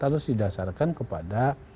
harus didasarkan kepada